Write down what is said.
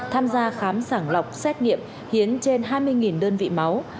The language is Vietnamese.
tham gia khám sàng lọc xét nghiệm hiến trên hai mươi đơn vị máu